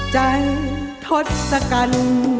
ใจทดสกัน